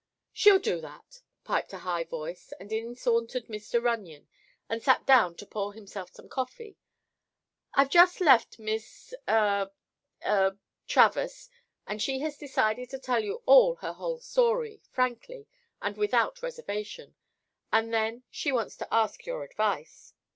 "She'll do that," piped a high voice, and in sauntered Mr. Runyon and sat down to pour himself some coffee. "I've just left Miss—er—er—Travers, and she has decided to tell you all her whole story, frankly and without reservation, and then she wants to ask your advice."